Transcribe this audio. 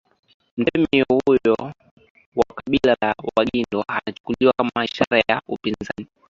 Mtemi huyo wa kabila la Wangindo anachukuliwa kama ishara ya upinzani